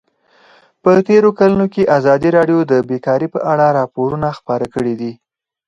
په تېرو کلونو کې ازادي راډیو د بیکاري په اړه راپورونه خپاره کړي دي.